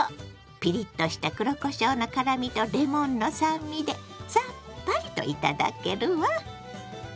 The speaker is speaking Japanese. ピリッとした黒こしょうの辛みとレモンの酸味でさっぱりと頂けるわ。